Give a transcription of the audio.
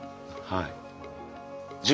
はい。